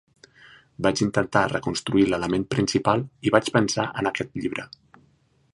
Vaig intentar reconstruir l'element principal i vaig pensar en aquest llibre.